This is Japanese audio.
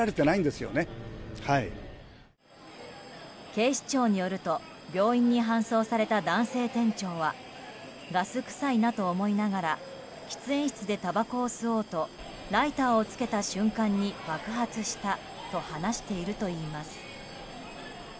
警視庁によると病院に搬送された男性店長はガス臭いなと思いながら喫煙室でたばこを吸おうとライターをつけた瞬間に爆発したと話しているといいます。